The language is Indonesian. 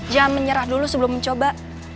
jangan menyerah dulu sebelum mencoba